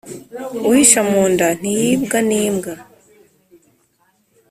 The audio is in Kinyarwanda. Uhisha mu nda ntiyibwa n’imbwa